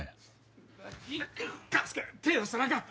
勘介手出したらあかん。